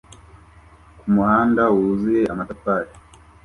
Ku muhanda wuzuye amatafari